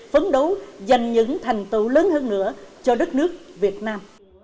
phấn đấu dành những thành tựu lớn hơn nữa cho đất nước việt nam